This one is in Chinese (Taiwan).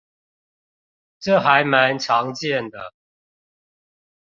這還蠻常見的